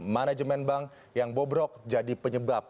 manajemen bank yang bobrok jadi penyebab